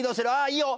いいよ。